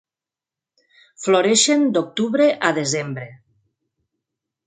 Floreixen d'octubre a desembre.